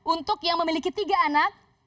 untuk yang memiliki tiga anak